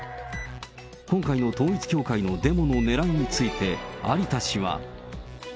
今回の統一教会のデモのねらいについて、有田氏は。